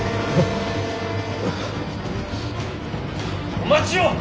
・お待ちを！